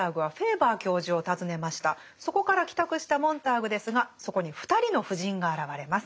そこから帰宅したモンターグですがそこに２人の夫人が現れます。